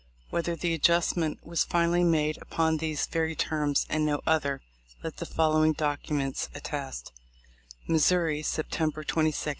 Whether the adjustment was finally made upon these very terms and no other, let the following documents attest: Missouri, September 22, 1842.